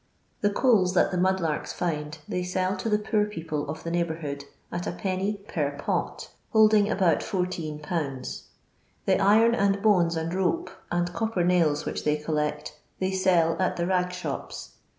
I The coals that the mud larks find, they sell to . the poor people of the ueighboiirliond at \d. per pot, holding abuut 14 lbs. The iron and bones an4 rope and copper nails which they collect, they sell at the rag shops.